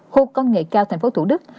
khu công nghệ cao thành phố thủ đức